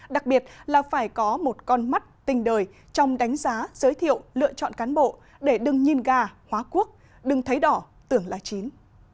đặc biệt là phải có một con mắt tinh đời trong đánh giá giới thiệu lựa chọn cán bộ để đừng nhìn gà hóa quốc đừng thấy đỏ tưởng là chín